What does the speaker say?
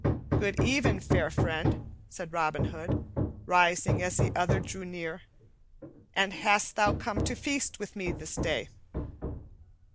"Good even, fair friend," said Robin Hood, rising as the other drew near. "And hast thou come to feast with me this day?"